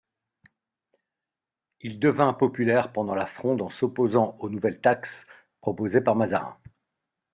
Il devint populaire pendant la Fronde en s'opposant aux nouvelles taxes proposées par Mazarin.